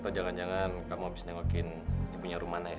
atau jangan jangan kamu habis nyengokin ibunya rumana ya